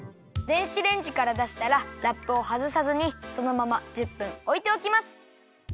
電子レンジからだしたらラップをはずさずにそのまま１０分おいておきます。